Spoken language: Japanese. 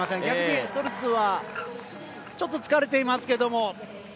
逆にストルツはちょっと疲れていますけれども。